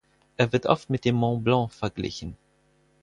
Er wird oft mit dem Mont Blanc verglichen.